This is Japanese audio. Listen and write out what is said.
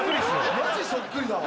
マジそっくりだわ。